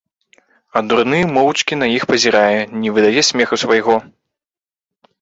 А дурны моўчкі на іх пазірае, не выдае смеху свайго.